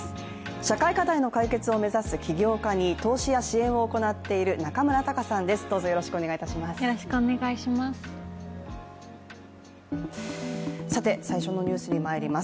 社会課題の解決を目指す起業家に投資や支援を行っている中村多伽さんです、どうぞよろしくお願いします。